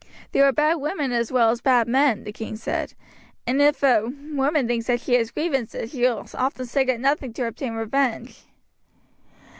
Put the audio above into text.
"There are bad women as well as bad men," the king said: "and if a woman thinks she has grievances she will often stick at nothing to obtain revenge."